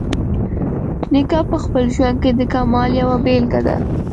نیکه په خپل ژوند کې د کمال یوه بیلګه ده.